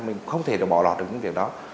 mình không thể bỏ lọt được những việc đó